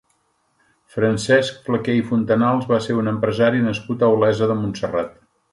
Francesc Flaqué i Fontanals va ser un empresari nascut a Olesa de Montserrat.